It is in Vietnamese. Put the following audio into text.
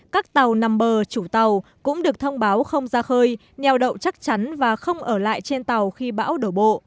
các tàu nằm bờ chủ tàu cũng được thông báo không ra khơi nheo đậu chắc chắn và không ở lại trên tàu khi bão đổ bộ